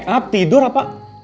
lo make up tidur apa